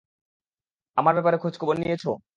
আমার ব্যাপারে খোঁজখবর নিয়েছো!